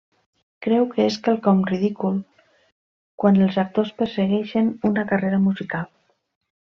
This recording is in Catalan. Creu que és quelcom ridícul quan els actors persegueixen una carrera musical.